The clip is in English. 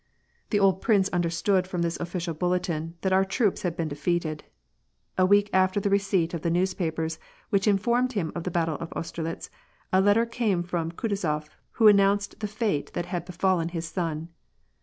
The old prince understood from this official bulletin, thai our troops had been defeated. A week after the receipt of the newspapers which informed him of the battle of Auste^ litz, a letter came from Kutuzof, who announced the fate that had befallen his son.